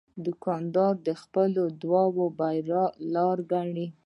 دوکاندار د خلکو دعا د بریا لاره ګڼي.